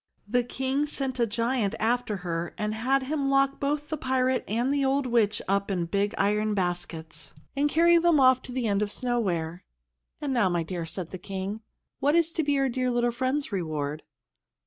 The King sent a giant after her, and had him lock both the pirate and the old witch up in big iron baskets, and carry them off to the end of Snowwhere. "And now, my dear," said the King, "what is to be our dear little friend's reward?"